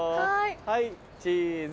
はいチーズ。